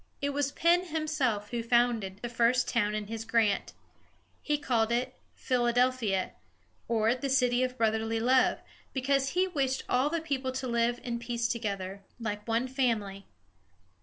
It was Penn himself who founded the first town in his grant. He called it Phil a del´phi a, or the "City of Brotherly Love," because he wished all the people to live in peace together, like one family.